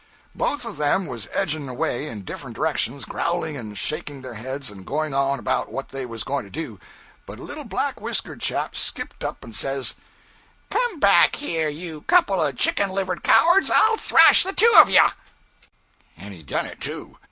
Both of them was edging away in different directions, growling and shaking their heads and going on about what they was going to do; but a little black whiskered chap skipped up and says 'Come back here, you couple of chicken livered cowards, and I'll thrash the two of ye!' And he done it, too.